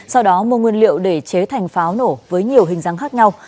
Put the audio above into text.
sau đó mua nguyên liệu để chế thành pháo nổ với nhiều hình dáng khác nhau